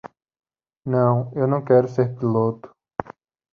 Não, eu não quero ser piloto.